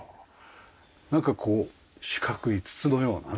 なんかこう四角い筒のようなね。